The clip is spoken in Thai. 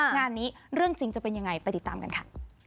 งานนี้เรื่องจริงจะเป็นยังไงไปติดตามกันค่ะ